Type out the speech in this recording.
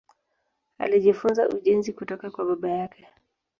Alijifunza ujenzi kutoka kwa baba yake.